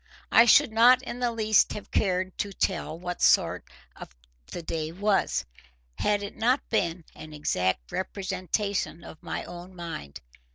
I should not in the least have cared to tell what sort the day was, had it not been an exact representation of my own mind.